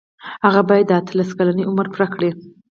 هغه باید د اتلس کلنۍ عمر پوره کړي.